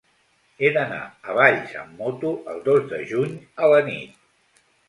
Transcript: He d'anar a Valls amb moto el dos de juny a la nit.